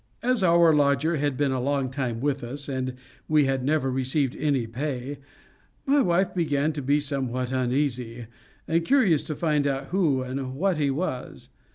As our lodger had been a long time with us, and we had never received any pay, my wife began to be somewhat uneasy, and curious to find out who and what he was.